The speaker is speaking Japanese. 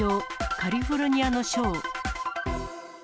カリフォルニアのショー。